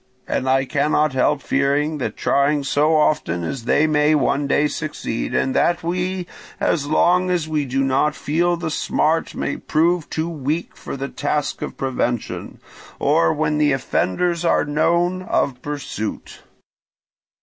And I cannot help fearing that trying so often they may one day succeed, and that we, as long as we do not feel the smart, may prove too weak for the task of prevention, or, when the offenders are known, of pursuit.